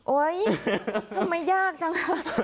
โอ๊ยทำไมยากจัง